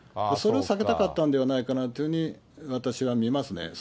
それを避けたかったんではないかなというふうに、私は見ますね。